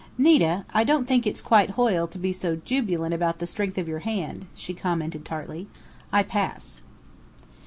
"Nita, I don't think it's quite Hoyle to be so jubilant about the strength of your hand," she commented tartly. "I pass."